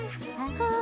はあ。